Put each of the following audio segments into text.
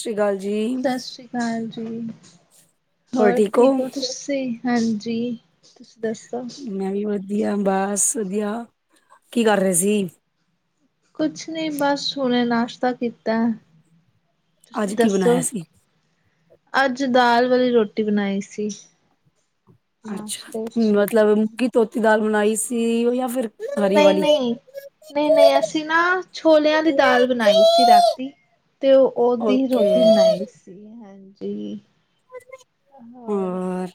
ਸਤਿ ਸ਼੍ਰੀ ਅਕਾਲ ਜੀ ਸਤਿ ਸ੍ਰੀ ਅਕਾਲ ਜੀ। ਹੋਰ ਠੀਕ ਹੋ ਤੁਸੀਂ, ਹਾਂਜੀ ਤੁਸੀਂ ਦੱਸੋ? ਮੈਂ ਵੀ ਵਧੀਆ, ਬਸ ਵਧੀਆ, ਕੀ ਕਰ ਰਹੇ ਸੀ? ਕੁਛ ਨੀ ਬਸ ਹੁਣੇ ਨਾਸ਼ਤਾ ਕੀਤਾ। ਤੁਸੀਂ ਅੱਜ ਕੀ ਦੱਸੋ ਬਣਾਇਆ ਸੀ ਅੱਜ ਦਾਲ ਵਾਲੀ ਰੋਟੀ ਬਣਾਈ ਸੀ। ਅੱਛਾ ਨਾਸ਼ਤੇ ਵਿੱਚ ਮਤਲਬ ਮੂੰਗੀ ਧੋਤੀ ਦਾਲ ਬਣਾਈ ਸੀ ਉਹ ਜਾਂ ਫਿਰ ਹਰੀ ਨਹੀਂ, ਵਾਲੀ ਨਹੀਂ, ਨਹੀਂ, ਨਹੀਂ ਅਸੀਂ ਨਾ ਛੋਲਿਆਂ ਦੀ ਦਾਲ ਬਣਾਈ ਸੀ ਰਾਤੀ। ਤੇ ਉਹਦੀ ਓਕੇ ਰੋਟੀ ਬਣਾਈ ਸੀ ਹਾਂਜੀ। ਹੋਰ?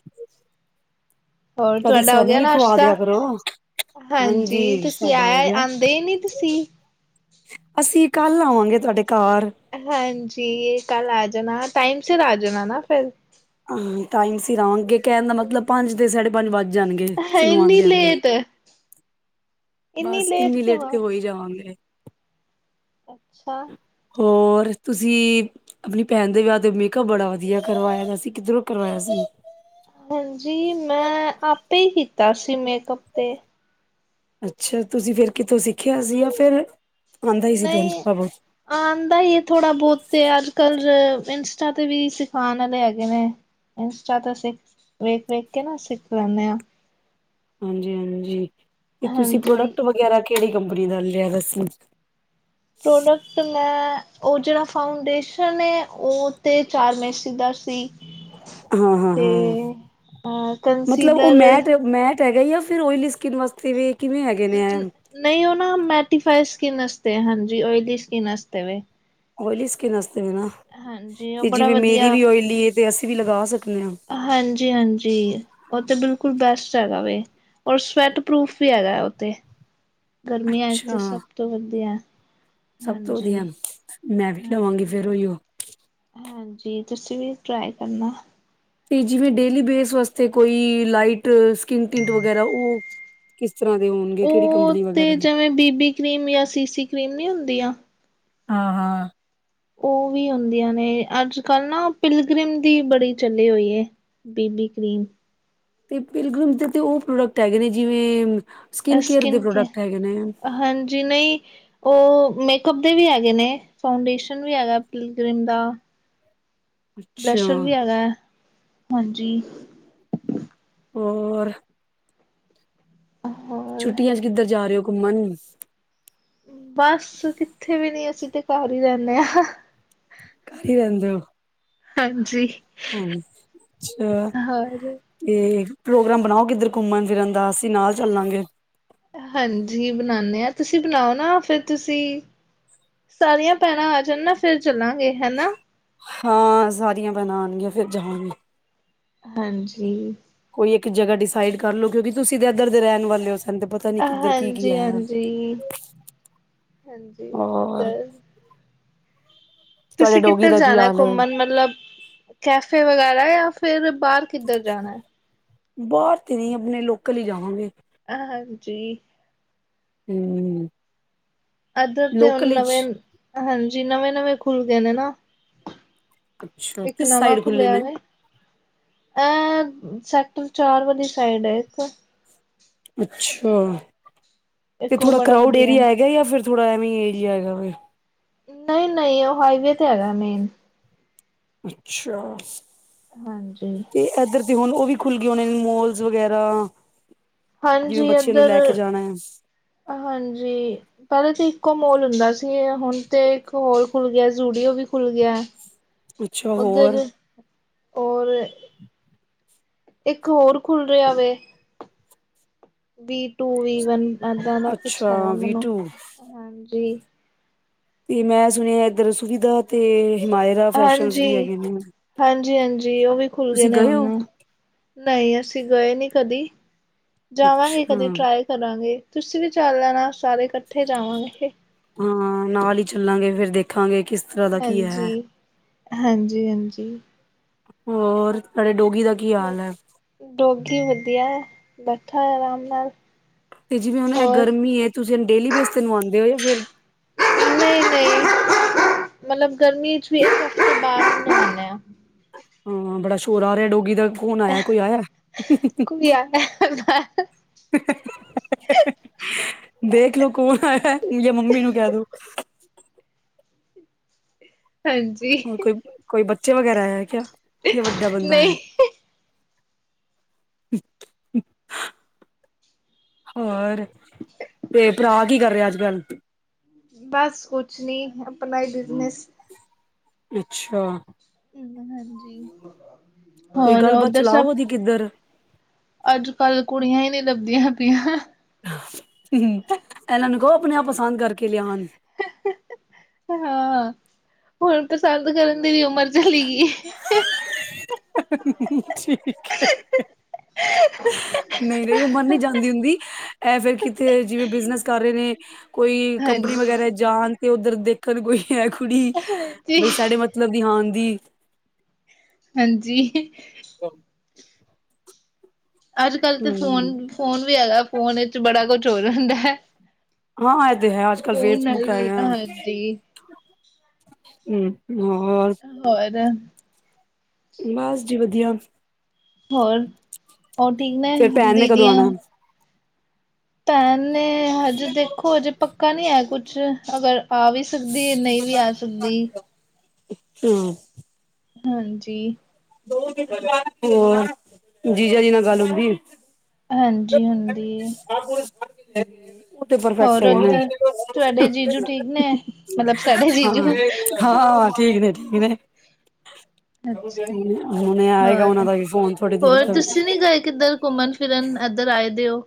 ਹੋਰ ਕਦੀ ਤੁਹਾਡਾ ਹੋ ਸਾਨੂੰ ਗਿਆ ਵੀ ਖਵਾ ਨਾਸ਼ਤਾ।? ਦਿਆ ਕਰੋ ਹਾਂਜੀ, ਤੁਸੀਂ ਸਾਡਾ ਹੋ ਆਇਆ ਗਿਆ ਆਉਂਦੇ ਹੀ ਨਹੀਂ ਤੁਸੀਂ। ਅਸੀਂ, ਕੱਲ ਆਵਾਂਗੇ ਤੁਹਾਡੇ ਘਰ। ਹਾਂਜੀ, ਇਹ ਕੱਲ ਆ ਜਾਣਾ ਟਾਈਮ ਸਿਰ ਆ ਜਾਣਾ ਨਾ ਫਿਰ। ਹਾਂ ਟਾਈਮ ਸਿਰ ਆਵੇਗੇ ਕਹਿਣ ਦਾ ਮਤਲਬ ਪੰਜ ਤੇ ਸਾਢੇ ਪੰਜ ਵੱਜ ਜਾਣਗੇ ਸਾਨੂੰ ਇੰਨੀ ਆਉਂਦੇ, ਆਉਂਦੇ। ਲੇਟ ਬਸ ਇੰਨੀ ਲੇਟ ਤੇ ਹੋ ਹੀ ਜਾਵਾਂਗੇ। ਅੱਛਾ। ਹੋਰ ਤੁਸੀਂ- ਆਪਣੀ ਭੈਣ ਦੇ ਵਿਆਹ ਤੇ ਮੇਕਅਪ ਬੜਾ ਵਧੀਆ ਕਰਵਾਇਆ ਸੀ। ਕਿੱਧਰੋਂ ਕਰਵਾਇਆ ਸੀ? ਹਾਂਜੀ, ਮੈਂ ਆਪੇ ਹੀ ਕੀਤਾ ਸੀ ਮੇਕਅੱਪ ਤੇ। ਅੱਛਾ ਤੁਸੀਂ ਫਿਰ, ਕਿਥੋਂ ਸਿੱਖਿਆ ਸੀ ਜਾਂ ਫਿਰ। ਆਉਂਦਾ ਹੀ ਸੀ ਤੁਹਾਨੂੰ ਨਹੀ। ਥੋੜਾ ਬਹੁਤ ਆਉਦਾ ਹੀ ਹੈ ਥੋੜ੍ਹਾ ਬਹੁਤ ਤੇ ਅੱਜ ਕੱਲ ਇੰਸਟਾ ਤੇ ਵੀ ਸਿਖਾਉਣ ਵਾਲੇ ਹੈਗੇ ਨੇ। ਇੰਸਟਾ ਤੋਂ ਸਿੱਖ ਵੇਖ ਵੇਖ ਕੇ ਨਾ ਸਿੱਖ ਲੈਂਦੇ ਹਾਂ। ਹਾਂਜੀ, ਹਾਂਜੀ ਤੇ ਤੁਸੀਂ ਹਾਂਜੀ ਪ੍ਰੋਡਕਟ ਵਗੈਰਾ ਕਿਹੜੀ ਕੰਪਨੀ ਦਾ ਲਿਆ ਦੱਸੋ? ਪ੍ਰੋਡਕਟ। ਅਤੇ ਮੈਂ ਉਹ ਜਿਹੜਾ ਫਾਊਂਡੇਸ਼ਨ ਏ ਉਹ ਤਾਂ ਚਾਰਮੈਸੀ ਦਾ ਸੀ। ਹਾਂ, ਹਾਂ, ਤੇ ਹਾਂ ਮਤਲਬ ਉਹ ਕੰਸੀਲਰ ਮੈਟ, ਮੈਟ। ਹੈਗਾ ਹੀ ਆ ਫਿਰ ਓਇਲੀ ਸਕਿੰਨ ਵਾਸਤੇ ਵੀ ਕਿਵੇਂ ਹੈਗੇ ਨੇ ਏ। ਨਹੀਂ ਉਹ ਨਾ ਮੇਟੀਫਾਈ ਸਕਿਨ ਵਾਸਤੇ ਹਾਂਜੀ, ਓਇਲੀ ਸਕਿੰਨ ਵਾਸਤੇ ਵੇ। ਓਇਲੀ ਸਕਿੰਨ ਵਸਤੇ ਹੈ ਨਾ ਹਾਂਜੀ ਉਹ ਤੇ ਬੜਾ ਜਿਵੇਂ ਮੇਰੀ ਵਧੀਆ ਵੀ ਓਇਲੀ ਹੈ ਤੇ ਅਸੀਂ ਵੀ ਲਗਾ ਸਕਦੇ ਹਾਂ। ਹਾਂਜੀ ਹਾਂਜੀ ਉਹ ਤਾਂ ਬਿਲਕੁਲ ਬੈਸਟ ਹੈਗਾ ਵੇ। ਔਰ ਸਵੈਟ ਪਰੂਫ ਵੀ ਹੈਗਾ ਹੈ ਉੱਥੇ ਗਰਮੀਆਂ ਵਿਚ ਅੱਛਾ ਤੇ ਸਭ ਤੋਂ ਵਧੀਆ ਸਭ ਤੋਂ ਹਾਂਜੀ ਵਧੀਆ ਮੈਂ ਵੀ ਲਵਾਂਗੀ ਹਾਂਜੀ ਫੇਰ ਉਹੀ ਉਹ ਹਾਂਜੀ, ਤੁਸੀਂ ਵੀ ਟਰਾਈ ਕਰਨਾ। ਤੇ ਜਿਵੇਂ ਡੇਲੀ ਬੇਸ ਵਾਸਤੇ ਕੋਈ ਲਾਈਟ ਸਕਿੰਨ ਟਿੰਟ ਵਗੈਰਾ ਉਹ। ਕਿਸ ਤਰ੍ਹਾਂ ਦੇ ਹੋਣਗੇ ਕਿਹੜੀ ਉਹ ਕੰਪਨੀ ਵਗੈਰਾ ਤੇ ਦੀ? ਜਿਵੇਂ ਬੀਬੀ ਕਰੀਮ ਜਾਂ ਸੀ, ਸੀ ਕ੍ਰੀਮ ਨਹੀਂ ਹੁੰਦੀਆ। ਹਾਂ, ਹਾਂ। ਉਹ ਵੀ ਹੁੰਦੀਆਂ ਨੇ ਅੱਜ ਕੱਲ੍ਹ ਨਾ ਪਿਲਗ੍ਰਿਮ ਦੀ ਬੜੀ ਚੱਲੀ ਹੋਈ ਹੈ। Baby cream. ਅਤੇ ਪਿਲ ਗਰੀਮ ਦੇ ਉਹ ਪ੍ਰੋਡਕਟ ਹੈਗੇ ਨੇ ਜਿਵੇਂ ਸਕਿਨ ਕੇਅਰ ਦੇ ਪ੍ਰੋਡਕਟ ਹੈਗੇ ਨੇ। ਜੀ ਨਈ ਉਹ ਮੇਕਅਪ ਦੇ ਵੀ ਹੈਗੇ ਨੇ ਫਾਊਂਡੇਸ਼ਨ ਵੀ ਹੈਗਾ ਪਿਲਕ੍ਰਿਮ ਦਾ ਅੱਛਾ ਬਲਸ਼ਰ ਵੀ ਹੈਗਾ ਹਾਂਜੀ ਹੋਰ ਹੋਰ ਛੁੱਟੀਆਂ ਚ ਕਿੱਧਰ ਜਾ ਰਹੇ ਹੋ ਘੁੰਮਣ ਬਸ ਕਿੱਥੇ ਵੀ ਨੀ ਅਸੀਂ ਤੇ ਘਰ ਹੀ ਰਹਦੇ ਹਾਂ ਘਰ ਹੀ ਰਹਿੰਦੇ ਹੋ ਹਾਂਜੀ ਹਮ ਅੱਛਾ ਹੋਰ ਤੇ ਪ੍ਰੋਗਰਾਮ ਬਣਾਓ ਕਿੱਧਰ ਘੁੰਮਣ ਫਿਰਨ ਦਾ ਅਸੀਂ ਨਾਲ ਚੱਲਾਂਗੇ ਹਾਂਜੀ ਬਣਾਦੇ ਹਾਂ ਤੁਸੀਂ ਬਣਾਓ ਨਾ ਫਿਰ ਤੁਸੀਂ ਸਾਰੀਆਂ ਭੈਣਾਂ ਆ ਜਾਣ ਨਾ ਫਿਰ ਚੱਲਾਂਗੇ ਹਨਾ ਹਾਂ ਸਾਰੀਆਂ ਭੈਣਾ ਆਣਗੀਆਂ ਫਿਰ ਜਾਣਗੇ ਹਾਂਜੀ ਕੋਈ ਇੱਕ ਜਗ੍ਹਾ ਡਿਸਾਈਡ ਕਰ ਲ ਲੋ ਕਿਉਂਕਿ ਤੁਸੀਂ ਦੇ ਇੱਧਰ ਦੇ ਰਹਿਣ ਵਾਲੇ ਹੋ ਸਨੁਤੇ ਪਤਾ ਨੀ ਕਿੱਧਰ ਕੀ ਗਿਆ ਹਾਂਜੀ ਹੈ ਹਾਂਜੀ ਹਾਂਜੀ ਅ ਹੋਰ ਤੁਹਾਡੇ ਤੁਸੀਂ ਡੋਗੀ ਕਿੱਧਰ ਦਾ ਕੀ ਜਾਣਾ ਹਾਲ ਏ? ਘੁੰਮਣ ਮਤਲਬ ਕੈਫੇ ਵਗੈਰਾ ਜਾਂ ਫਿਰ ਬਾਹਰ ਕਿੱਧਰ ਜਾਣਾ ਹੈ ਬਾਹਰ ਤੇ ਨਹੀਂ ਆਪਣੇ ਲੋਕਲ ਹੀ ਜਾਵਾਂਗੇ ਹਾਂਜੀ ਹਮ ਅੱਧਰ ਤੇ ਹੁਨ ਨਵੇਂ ਹਾਂਜੀ ਨਵੇਂ ਨਵੇਂ ਖੁੱਲ ਗਏ ਨੇ ਨਾ ਅੱਛਾ ਇੱਕ ਕਿਸ ਨਵਾਂ ਸਾਈਡ ਖੁੱਲੇ ਖੁੱਲਿਆ ਨੇ ਵ ਸੈਕਟਰ ਚਾਰ ਵਲੀ ਸਾਈਡ ਹੈ ਇੱਕ ਤਾਂ ਅੱਛਾ ਤੇ ਇੱਕ ਉਹ ਥੋੜਾ ਬੜਾ ਕਰਾਊਡ ਵਧੀਆ ਏਰੀਆ ਹੈਗਾ ਜਾਂ ਫਿਰ ਥੋੜਾ ਐਵੇਂ ਏਰੀਆ ਹੈਗਾ ਨਹੀਂ ਨਹੀਂ ਉਹ ਹਾਈਵੇ ਤੇ ਹੈਗਾ ਮੇਨ ਅੱਛਾ ਹਾਂਜੀ ਤੇ ਇਧਰ ਤੇ ਹੁਣ ਉਹ ਵੀ ਖੁੱਲ ਗਈ ਉਹਣੇ ਮੋਲਸ ਵਗੈਰਾ ਜਿਵੇਂ ਹਾਂਜੀ ਬੱਚਿਆਂ ਨੂੰ ਇੱਧਰ ਲੈ ਕੇ ਜਾਣਾ ਆ ਹਾਂਜੀ ਪਹਿਲੇ ਤੇ ਇੱਕੋ ਮੋਲ ਹੁੰਦਾ ਸੀ ਹੁਣ ਤੇ ਇੱਕ ਹੋਰ ਖੁੱਲ ਗਿਆ ਜੂਡੀਓ ਵੀ ਖੁੱਲ ਗਿਆ ਅੱਛਾ ਉਧਰ ਹੋਰ ਹੋਰ ਇੱਕ ਹੋਰ ਖੁੱਲ ਰਿਹਾ ਵੇ ਵੀ ਟੂ ਵੀ ਵਨ ਏਦਾਂ ਦਾ ਕੁਛ ਅੱਛਾ ਹੈਗਾ ਵੀ ਮੈਨੂੰ ਟੂ ਹਾਂਜੀ ਤੇ ਮੈਂ ਸੁਣਿਆ ਇਧਰ ਸੁਵਿਧਾ ਤੇ ਹਿਮਾਇਰਾ ਫੈਸ਼ਨ ਵੀ ਹਾਂਜੀ ਹੈਗੇ ਨੇ ਹਾਂਜੀ ਹਾਂਜੀ ਉਹ ਵੀ ਖੁੱਲ ਗਏ ਤੁਸੀਂ ਨੇ ਹੋ ਹੁਨ ਨਹੀਂ ਅਸੀਂ ਗਏ ਨਹੀਂੀ ਕਦੀ ਜਾਵਾਂਗੇ ਅੱਛਾ ਕਦੀ ਟਰਾਈ ਕਰਾਂਗੇ ਤੁਸੀਂ ਵੀ ਚੱਲ ਲੈਣਾ ਸਾਰੇ ਇਕੱਠੇ ਜਾਵਾਂਗੇ ਇਹ ਹਾਂ ਨਾਲ ਹੀ ਚੱਲਾਂਗੇ ਫੇਰ ਦੇਖਾਂਗੇ ਕਿਸ ਤਰ੍ਹਾਂ ਦਾ ਕੀ ਹਾਂਜੀ ਹੈ ਹਾਂਜੀ ਹਾਂਜੀ ਹੋਰ ਤੂੰਹਾਡੇ ਡੋਗੀ ਦਾ ਕੀ ਹਾਲ ਹੈ ਡੋਗੀ ਵਧੀਆ ਹੈ ਬੈਠਾ ਆਰਾਮ ਨਾਲ ਤੇ ਜਿਵੇਂ ਹੁਣ ਇਹ ਹੋਰ ਗਰਮੀ ਹੈ ਤੁਸੀਂ ਡੇਲੀ ਬੇਸ ਤੇ ਨਵਾਉਂਦੇ ਹੋ ਜਾਂ ਫਿਰ ਨਹੀਂ ਨਹੀਂ ਮਤਲਬ ਗਰਮੀ ਚ ਵੀ ਇੱਕ ਹਫ਼ਤੇ ਬਾਅਦ ਹਾਂ ਬੜਾ ਸ਼ੋਰ ਹ ਰਿਹਾ ਡੋਰੀ ਦਾ ਕੌਣ ਆਇਆ ਕੋਈ ਆਇਆ ਕੋਈ ਆਇਆ ਬਾਹਰ [unintelligible] ਦੇਖਲੋ ਕੌਣ ਆਇਆ ਜਾ ਮੰਮੀ ਨੂੰ ਕਹਿ ਦੂੰ ਹਾਂਜੀ ਹੋਰ ਕੋਈ ਕੋਈ ਬੱਚੇ ਵਗੈਰਾ ਹੈ ਕਿਆ ਇਹ ਵੱਡਾ ਬੰਦਾ ਹੈ ਨਹੀਂ ਅੱਾ [unintelligible] ਹੋਰ ਤੇ ਭਰਾ ਕੀ ਕਰ ਰਹਾ ਅੱਜ ਕੱਲ ਬਸ ਕੁਛ ਨੀ ਆਪਣਾ ਹੀ ਬਿਜਨਸ ਅੱਛਾ ਹਾਂਜੀ ਕੋਈ ਹੋਰ ਗੱਲਬਾਤ ਉਧਰ ਸਭ ਚਲਾਓ ਉਹਦੀ ਕਿੱਧਰ ਅੱਜ ਕੱਲ੍ਹ ਕੁੜੀਆਂ ਹੀ ਨਹੀਂੀ ਲੱਭਦੀਆਂ ਪਈਆਂ ਇਹਨਾਂ ਨੂੰ ਕਹੋ ਆਪਣੇ ਆਪ ਪਸੰਦ ਕਰਕੇ ਲਿਆ ਹਨ ਹਾਂ ਹੁਣ ਪਸੰਦ ਕਰਨ ਦੀ ਵੀ ਉਮਰ ਚਲੀ ਗਈ ਠੀਕ ਹੈ ਹਹ ਰ ਉਹ ਮਰਨੀ ਜਾਂਦੀ ਹੁੰਦੀ ਇਹ ਫੇਰ ਕਿਤੇ ਜਿਵੇਂ ਬਿਜਨਸ ਕਰ ਰਹੇ ਨੇ ਕੋਈ ਕੰਪਨੀ ਹਾਂਜੀ ਵਗੈਰਾ ਜਾਣ ਤੇ ਉੱਧਰ ਦੇਖਣ ਕੋਈ ਹੈ ਕੁੜੀ ਹਾਂਜੀ ਬਈ ਸਾਡੇ ਮ ਮਤਲਬ ਦੀ ਹਾਂ ਦੀ ਹਾਂਜੀ ਅੱਜ ਕੱਲ ਤਾਂ ਫੋਨ ਹਮ ਫੋਨ ਵੀ ਆਗਾ ਫੋਨ ਵਿੱਚ ਬੜਾ ਕੁਛ ਹੋ ਰਿ ਹੁੰਦਾ ਹਾਂ ਇਹ ਤੇ ਹੈ ਅੱਜ ਕੱਲ ਨਾਲ ਫੇਸਬੁੱਕ ਵੀ ਹੈਗਾ ਹਾਂਜੀ ਹਮ ਹੋਰ ਹੋਰ ਬਸ ਜੀ ਵਧੀਆ ਹੋਰ ਹੋਰ ਠੀਕ ਨੇ ਫੇਰ ਭੈਣ ਨੇ ਕਦੋਂ ਦੀਦੀਆਂ ਆਣਾ ਪੈਨ ਨੇ ਹਜੇ ਦੇਖੋ ਹਜੇ ਪੱਕਾ ਨਹੀਂ ਹੈ ਕੁਛ ਅਗਰ ਆ ਵੀ ਸਕਦੀ ਨਹੀਂ ਵੀ ਆ ਸਕ ਤੁਦੀ ਹਮ ਹਾਂਜੀ ਹੋਰ ਜੀਜਾ ਜੀ ਨਾਲ ਗੱਲ ਹੋਦੀ ਬਲ ਹਾਂਜੀ ਹੁੰਦੀ ਹੈ [unintelligible] ਉਹ ਤੇ ਪਰਫੈਕਟ ਹੋਰ ਹੈ ਉੱਧਰ ਤੁਹਾਡੇ ਜੀਜੂ ਠੀਕ ਨੇ ਮਤਲਬ ਸਾਡੇ ਜੀਜੂ ਹਾਂ ਹਾਂ ਠੀਕ ਨੇ ਠੀਕ ਨੇ ਅੱਛਾ ਹੁਣੇ ਆਏਗਾ ਹੋਰ ਉਹਨਾਂ ਦਾ ਵੀ ਫੋਨ ਥੋੜੀ ਦੇਰ ਹੋਰ ਤੁਸੀਂ ਨੀ ਤੱਕ ਗਏ ਕਿੱਧਰ ਘੁੰਮਣ ਫਿਰਨ ਇੱਧਰ ਆਏ ਦਿ ਹੋ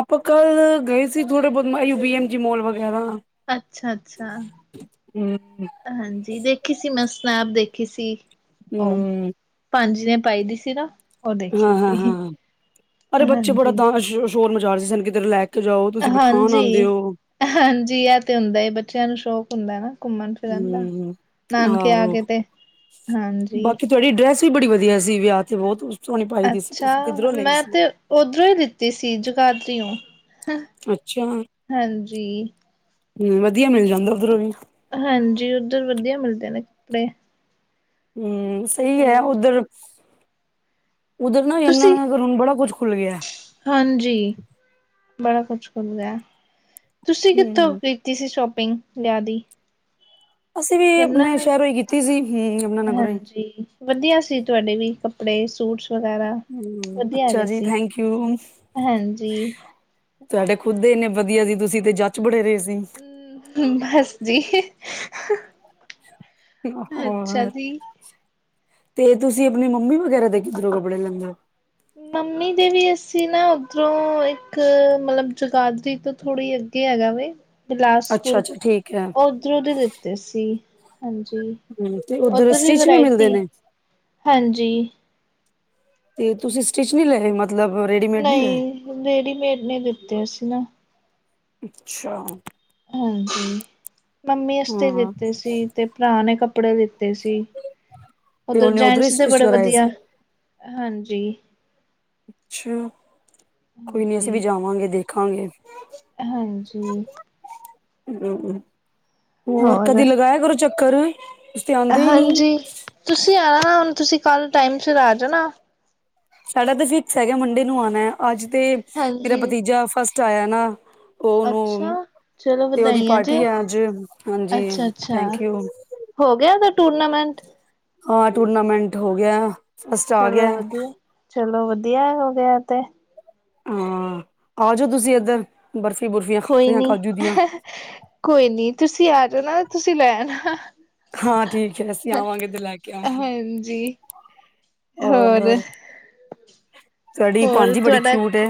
ਆਪਾਂ ਕੱਲ ਗਏ ਸੀ ਥੋੜੇ ਬਹੁਤ ਮ ਬੀ ਐਮ ਜੀ ਮੋਲ ਵਗੈਰਾ ਅੱਛਾ ਅੱਛਾ ਹੂੰ। ਹਾਂਜੀ ਦੇਖੀ ਸੀ ਮਸ ਆਪ ਦੇਖੀ ਸੀ ਉਹ ਹੂੰ, ਪੰਜ ਨੇ ਪਾਈ ਦੀ ਸੀ ਨਾ ਉਹ ਹਾਂ ਦੇਖੀ ਹਾਂ ਸੀ ਹਾਂ ਅਰੇ ਬੱਚੇ ਬੜਾ ਹਾਂਜੀ ਤਾਂ ਸ਼ੋਰ ਮਜ਼ਾਾਰ ਸੀ ਸਨ ਕਿਤੇ ਰਿਲੈਕ ਹਾਂਜੀ ਹਾਂਜੀ ਆ ਤੇ ਹੁੰਦਾ ਏ ਬੱਚਿਆਂ ਨੂੰ ਸ਼ੌਕ ਹੁੰਦਾ ਨਾ ਘੁੰਮਣ ਫਿਰਨ ਦਾ ਹੂੰ, ਨਾਨਕੇ ਆ ਆਹੋ ਕੇ ਤੇ ਹਾਂਜੀ ਬਾਕੀ ਤੁਹਾਡੀ ਡਰੈਸ ਵੀ ਬੜੀ ਵਧੀਆ ਸੀ ਵਿਆਹ ਤੇ ਬਹੁਤ ਸੋਨੀ ਪਾਈ ਦੀ ਸੀ ਅੱਛਾ ਤੁਸੀਂ ਕਿੱਧਰੋਂ ਲਈ ਮੈਂ ਸੀ ਤੇ ਓਧਰੋਂ ਹੀ ਲਿੱਤੀ ਸੀ ਜਗਾਦਰੀਓ ਅੱਛਾ ਹਮ ਹਾਂਜੀ, ਵਧੀਆ ਮਿਲ ਜਾਂਦਾ ਉੱਧਰੋਂ ਵੀ ਹਾਂਜੀ ਉੱਧਰ ਵਧੀਆ ਮਿਲਦੇ ਨੇ ਕੱਪੜੇ ਹਮ ਸਹੀ ਹੈ ਹੋਰ ਉਧਰ ਉੱਧਰ ਨਾ ਤੁਸੀਂ ਯਮੁਨਾਨਗਰ ਹੁਣ ਬੜਾ ਕੁੱਝ ਖੁੱਲ੍ਹ ਗਿਆ ਹਾਂਜੀ ਬੜਾ ਕੁਛ ਕਰ ਗਿਆ ਤੁਸੀਂ ਕਿੱਥੋਂ ਹੂੰ, ਜਂ ਸ਼ੋਪਿੰਗ ਲਿਆ ਦੀ ਅਸੀਂ ਵੀ ਕਿਮ ਆਪਣੇ ਸ਼ਹਿਰੋਂ ਹੀ ਕੀਤੀ ਸੀ ਹੂੰ ਯਮੁਨਾ ਨਗਰੋਂ ਹੀ। ਹਾਂਜੀ ਵਧੀਆ ਸੀ ਤੁਹਾਡੇ ਵੀ ਕੱ ਕੱਪੜੇ ਸੂਟਸ ਵਗੈਰਾ ਹੂ ਵਧੀਆ ਅੱਛਾ ਹੈਗੇ ਜੀ ਸੀ ਥੈਂਕ ਯੂ ਹਾਂਜੀ ਤੁਹਾਡੇ ਖੁਦ ਦੇ ਇੰਨੇ ਵਧੀਆ ਸੀ ਤੁਸੀਂ ਤੇ ਜੱਚ ਬੜੇ ਰਹੇ ਸੀ ਬਸ ਜੀ ਅੱਛਾ ਜੀ। ਆ ਤੇ ਤੁਸੀਂ ਆਪਣੀ ਮੰਮੀ ਵਗੈਰਾ ਦੇ ਕਿੱਧਰੋਂ ਕੱਪੜੇ ਲੈਂਦਾ ਮੰਮੀ ਦੇ ਵੀ ਅਸੀਂ ਨਾ ਉੱਧਰੋਂ ਇੱਕ ਮਤਲਬ ਜਗਾਦਰੀ ਤੋਂ ਥੋੜੀ ਹੈਗਾ ਹੈ ਵੇ ਬਿਲਾਸਪੁਰ ਅੱਛਾ-ਅੱਛਾ ਠੀਕ ਹੈ ਉਧਰੋਂ ਦੇ ਦਿੱਤੇ ਸੀ ਹਾਂਜੀ ਹੂੰ ਤੇ ਉੱਧਰ ਵੀ ਸਟਿਚ ਮਿਲਦੇ ਵਰਾਇਟੀ ਨੇ? ਹਾਂਜੀ ਤੇ ਤੁਸੀਂ ਸਟਿਚ ਨੀ ਲੈ ਮ ਮਤਲਬ ਰੈਡੀ ਨਹੀਂ ਰੇਡੀਮੇਡ ਨੇ ਮਿਲਤੇ ਸੀਂ ਨਾ ਅੱਛਾ ਹਾਂਜੀ ਮੰਮੀ ਵਾਸਤੇ ਹਾਂ ਲਿੱਤੇ ਸੀ ਤੇ ਭਰਾ ਨੇ ਕੱਪੜੇ ਦਿੱਤੇ ਸੀ ਤੇ ਉਧਰ ਉਹਨੇ ਉੱਧਰੋਂ ਹੀ ਜੈਂਟਸ ਦੇ ਸਟਿਚ ਬੜੇ ਕਰਾਏ ਸੀ? ਵਧੀਆ ਹਾਂਜੀ ਅੱਛਾ ਕੋਈ ਨੀ ਅਸੀਂ ਵੀ ਹਾਂਜੀ। ਜਾਵਾਂਗੇ ਦੇਖਾਂਗੇ ਹਾਂਜੀ ਹੂ ਹੋਰ ਕਦੀ ਲਗਾਇਆ ਕਰੋ ਚੱਕਰ ਤੁਸੀਂ ਤੇ ਆਂਦੇ ਹੀ ਨੀ। ਹਾਂਜੀ ਤੁਸੀਂ ਆਣਾ ਨਾ ਹੁਣ ਤੁਸੀਂ ਕੱਲ ਟਾਈਮ ਫਿਰ ਆ ਜਾਣਾ ਸਾਡਾ ਤੇ ਫਿਕਸ ਹੈਗਾ ਮੰਡੇ ਨੂੰ ਆਉਣਾ ਹੈ ਅੱਜ ਤੇ ਮੇਰਾ ਹਾਂਜੀ ਭਤੀਜਾ ਫਸਟ ਆਇਆ ਨਾ ਉਹਨੂੰ ਅੱਛਾ ਚਲੋ ਤੇ ਉਦੀ ਵਧਾਈਆਂ ਜੀ ਪਾਰਟੀ ਆ ਅੱਜ ਹਾਂਜੀ ਅੱਛਾ ਅੱਛਾ ਥੈਂਕ ਯੂ ਹੋ ਗਿਆ ਉਹਦਾ ਟੂਰਨਾਮੈਂਟ ਹਾਂ ਟੂਰਨਾਮੈਂਟ ਹੋ ਗਿਆ ਫਸਟ ਆ ਚਲੋ ਗਿਆ ਵਧੀਆ ਚਲੋ ਵਧੀਆ ਹੋ ਗਿਆ ਤੇ ਹਾਂ ਆ ਜਾਓ ਤੁਸੀਂ ਇੱਧਰ ਬਰਫ਼ੀ ਬੁਰਫੀ ਕੋਈ ਨੀ ਕੋਈ ਨੀ ਤੁਸੀਂ ਆ ਜਾਓ ਨਾ ਤੁਸੀਂ ਲੈ ਆਣਾ ਹਾਂ ਠੀਕ ਹੈ ਅਸੀਂ ਆਵਾਂਗੇ ਇੱਧ ਲੈ ਕੇ ਆਵਾਂਗੇ ਹਾਂਜੀ ਹੋਰ ਔਰ ਤੁਹਾਡੀ ਹੋਰ ਭਾਣਜੀ ਬੜੀ ਤੁਹਾਡਾ ਕਿਊਟ ਹੈ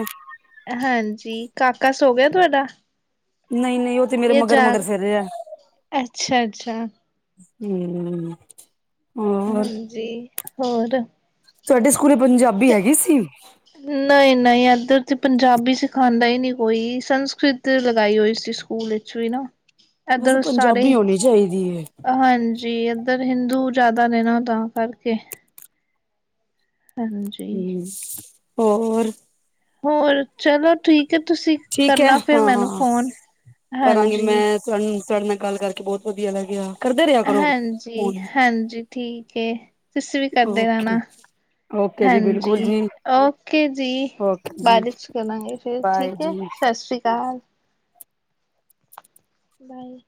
ਹਾਂਜੀ ਕਾਕਾ ਸੋ ਗਿਆ ਤੁਹਾਡਾ ਨਹੀਂ ਨਹੀਂ ਉਹ ਤੇ ਮੇਰੇ ਇਹ ਮਗਰ ਜਾਗ ਮਗਰ ਫਿਰ ਰਿਹਾ ਅੱਛਾ ਅੱਛਾ ਹੂ,,, ਹਾਂਜੀ ਹੋਰ ਸਾਡੇ ਸਕੂਲੇ ਪੰਜਾਬੀ ਹੈਗੀ ਸੀ ਨਹੀਂ ਨਹੀਂ ਇੱਧਰ ਤੇ ਪੰਜਾਬੀ ਸਿਖਾਉਂਦਾ ਹੀ ਨਹੀਂ ਕੋਈ ਸੰਸਕ੍ਰਿਤ ਲਗਾਈ ਹੋਈ ਸੀ ਸਕੂਲ ਵਿੱਚ ਵੀ ਨਾ ਵੈਸੇ ਏਧਰ ਸਾਰੇ ਪੰਜਾਬੀ ਹੋਣੀ ਚਾਹੀਦੀ ਹੈ ਹਾਂਜੀ ਇੱਧਰ ਹਿੰਦੂ ਜ਼ਿਆਦਾ ਨੇ ਨਾ ਤਾਂ ਕਰਕੇ ਹੈਨਾ ਜੀ। ਹੂ,,, ਹੋਰ ਹੋਰ ਚਲੋ ਠੀਕ ਹੈ ਤੁਸੀਂ ਠੀਕ ਹੈ ਕਰਨਾ ਫਿਰ ਹਾਂ ਮੈਨੂੰ ਹਾਂ ਫੋਨ ਕਰਾਂਗੀ ਹਾਂਜੀ ਮੈਂ ਸਨ ਸਰ ਨਾਲ ਗੱਲ ਕਰਕੇ ਬਹੁਤ ਵਧੀਆ ਲੱਗਿਆ। ਕਰਦੇ ਰਿਹਾ ਕਰੋ ਹਾਂਜੀ ਫੋਨ ਹਾਂਜੀ ਠੀਕ ਹੈ ਤੁਸੀਂ ਵੀ ਕਰਦੇ ਰਹਿਣਾ ਓਕੇ ਓਕੇ ਜੀ ਬਿਲਕੁਲ ਹਾਂਜੀ ਜੀ ਓਕੇ ਜੀ ਓਕੇ ਜੀ ਬਾਅਦ ਵਿੱਚ ਕਰਾਂਗੇ ਤੇ ਬਾਏ ਠੀਕ ਹੈ ਜੀ ਸਤਿ ਸ਼੍ਰੀ ਅਕਾਲ। ਬਾਏ।